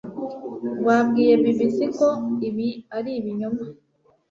rwabwiye BBC ko ibi ari ibinyoma